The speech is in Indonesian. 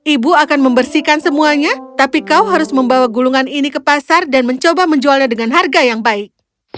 ibu akan membersihkan semuanya tapi kau harus membawa gulungan ini ke pasar dan mencoba menjualnya dengan harga yang baik